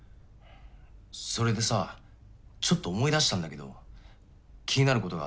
それでさちょっと思い出したんだけど気になることがあって。